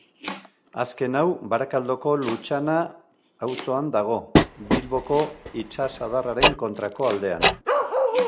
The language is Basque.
Azken hau, Barakaldoko Lutxana auzoan dago, Bilboko itsasadarraren kontrako aldean.